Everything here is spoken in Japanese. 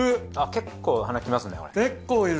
結構鼻きますねこれ。